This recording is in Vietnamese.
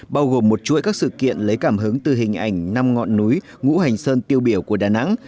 bao gồm một chuỗi các sự kiện lấy cảm hứng từ hình ảnh năm ngọn núi ngũ hành sơn tiêu biểu của đà nẵng